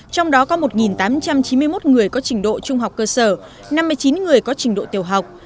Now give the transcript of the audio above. trong đó có một tám trăm chín mươi một người có trình độ trung học cơ sở năm mươi chín người có trình độ tiểu học